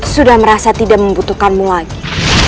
sudah merasa tidak membutuhkanmu lagi